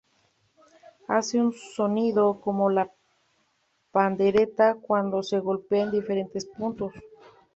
Hace un sonido como de pandereta cuando se golpea en diferentes puntos.